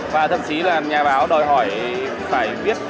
và thậm chí là nhà báo đòi hỏi phải biết